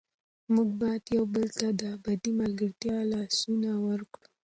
موږ باید یو بل ته د ابدي ملګرتیا لاسونه ورکړو.